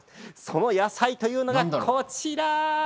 その野菜というのがこちら！